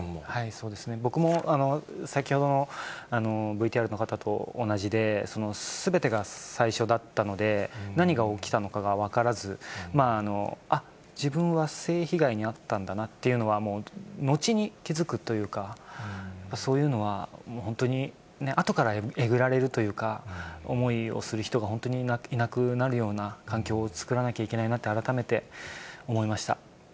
そうですね、僕も先ほどのＶＴＲの方と同じで、すべてが最初だったので、何が起きたのかが分からず、あっ、自分は性被害に遭ったんだなっていうのは、後に気付くというか、そういうのはもう本当に、後からえぐられるというか、思いをする人が本当にいなくなるような環境を作らなきゃいけないなって、改めて思いました。